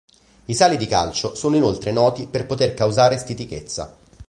I sali di calcio sono inoltre noti per poter causare stitichezza.